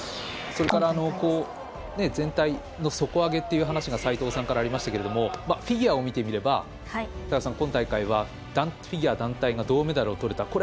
それから全体の底上げという話が齋藤さんからありましたがフィギュアを見てみれば今大会はフィギュア団体が銅メダルをとれた。